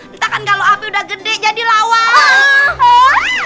entah kan kalo api udah gede jadi lawan